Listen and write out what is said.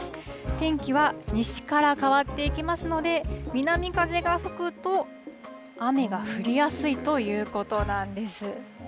天気は西から変わっていきますので南風が吹くと雨が降りやすいということなんです。